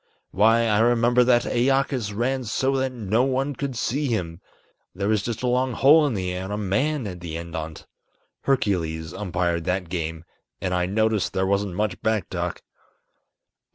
Why, I remember that Æacus ran so that no one could see him, There was just a long hole in the air and a man at the end on't. Hercules umpired that game, and I noticed there wasn't much back talk."